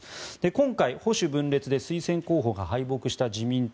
今回、保守分裂で推薦候補が敗北した自民党。